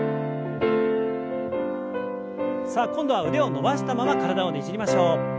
さあ今度は腕を伸ばしたまま体をねじりましょう。